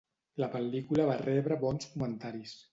La pel·lícula va rebre bons comentaris.